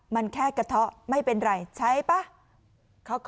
มันแค่กระเทาะไม่เป็นไรใช้ป่ะ